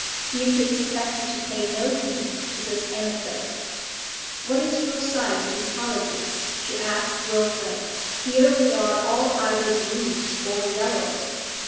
Beatrice affected to pay no heed to this anecdote. 'What is your side in politics?' she asked Wilfrid. 'Here we are all either Blues or Yellows.'